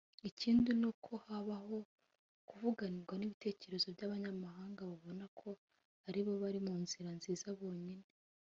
Ikindi ni uko habaho kuvangirwa n’ibitekerezo by’abanyamahanga babona ko ari bo bari mu nzira nziza bonyine